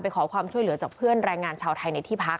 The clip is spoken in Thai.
ขอความช่วยเหลือจากเพื่อนแรงงานชาวไทยในที่พัก